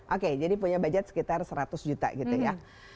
oke jadi punya budget sekitar seratus juta gitu ya